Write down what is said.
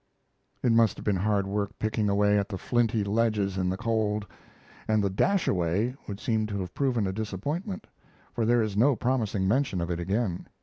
It must have been hard work picking away at the flinty ledges in the cold; and the "Dashaway" would seem to have proven a disappointment, for there is no promising mention of it again.